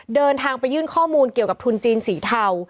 เดินทางไปยื่นข้อมูลเกี่ยวกับทุนจีนสีเทา